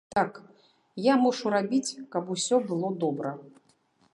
Так, я мушу рабіць, каб усё было добра.